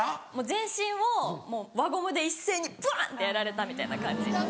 全身をもう輪ゴムで一斉にバン！ってやられたみたいな感じ。